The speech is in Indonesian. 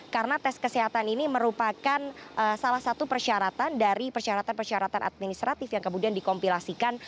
karena tes kesehatan ini merupakan salah satu persyaratan dari persyaratan persyaratan administratif yang kemudian dikompilasikan